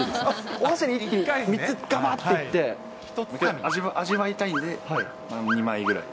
お箸に一気に３つがばってい味わいたいんで、２枚ぐらい。